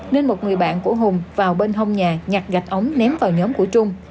nên một người bạn của hùng vào bên hông nhà nhặt gạch ống ném vào nhóm của trung